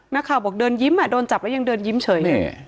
นักข่าวบอกเดินยิ้มอ่ะโดนจับแล้วยังเดินยิ้มเฉย